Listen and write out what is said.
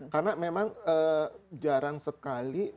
karena memang jarang sekali